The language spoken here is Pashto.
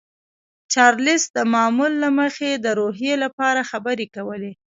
چارلیس د معمول له مخې د روحیې لپاره خبرې کولې